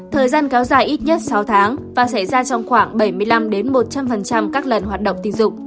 thời gian kéo dài ít nhất sáu tháng và xảy ra trong khoảng bảy mươi năm một trăm linh các lần hoạt động tình dục